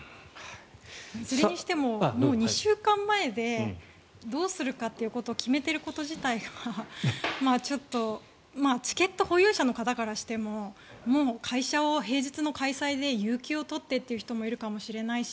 それにしてももう２週間前でどうするかということを決めていること自体がチケット保有者の方からしてももう会社を平日の開催で有休を取ってという人もいるかもしれないし